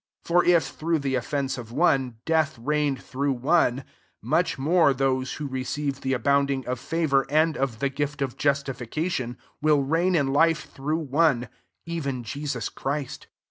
17 For if, through the offence of one, death reign ed through one ; much more, those who receive the abound ing of favour and [of the gift] of justification, will reign in life through one, even Jesus Christ.